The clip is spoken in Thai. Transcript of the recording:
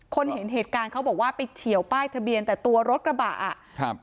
เห็นเหตุการณ์เขาบอกว่าไปเฉียวป้ายทะเบียนแต่ตัวรถกระบะอ่ะครับ